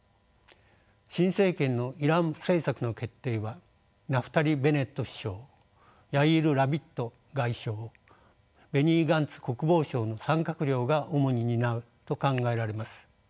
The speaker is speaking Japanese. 新政権のイラン政策の決定はナフタリ・ベネット首相ヤイール・ラピド外相ベニー・ガンツ国防相の３閣僚が主に担うと考えられます。